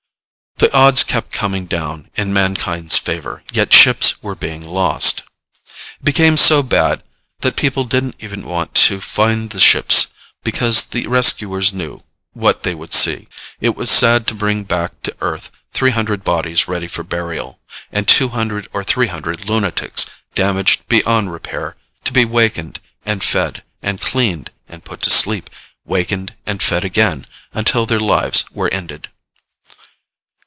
The odds kept coming down in mankind's favor, yet ships were being lost. It became so bad that people didn't even want to find the ships because the rescuers knew what they would see. It was sad to bring back to Earth three hundred bodies ready for burial and two hundred or three hundred lunatics, damaged beyond repair, to be wakened, and fed, and cleaned, and put to sleep, wakened and fed again until their lives were ended.